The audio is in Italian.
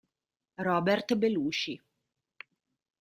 Robert Belushi